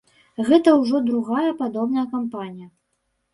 Гэта ўжо другая падобная кампанія.